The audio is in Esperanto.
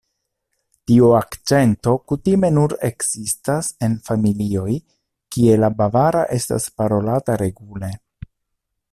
Tiu akĉento kutime nur ekzistas en familioj kie la bavara estas parolata regule.